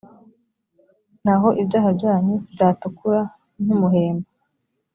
naho ibyaha byanyu byatukura nk umuhemba